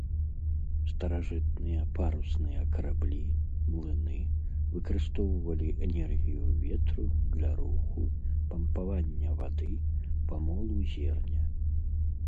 Старажытныя парусныя караблі, млыны, выкарыстоўвалі энергію ветру для руху, пампавання вады, памолу зерня.